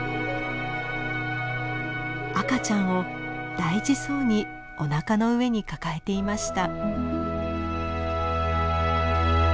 赤ちゃんを大事そうにおなかの上に抱えていました。